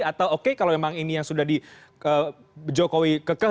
atau oke kalau memang ini yang sudah di jokowi kekeh